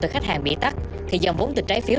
từ khách hàng bị tắt thì dòng vốn từ trái phiếu